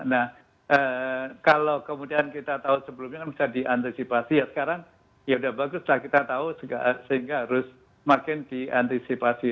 nah kalau kemudian kita tahu sebelumnya kan bisa diantisipasi ya sekarang ya sudah bagus lah kita tahu sehingga harus makin diantisipasi